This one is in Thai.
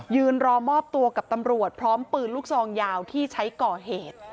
ยืนรอมอบตัวกับตำรวจพร้อมปืนลูกซองยาวที่ใช้ก่อเหตุ